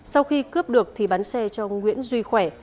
sau khi cướp được thì bán xe cho nguyễn duy khỏe